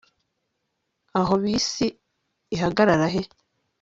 aho bisi ihagarara he